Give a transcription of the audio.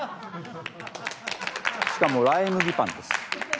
しかもライ麦パンです。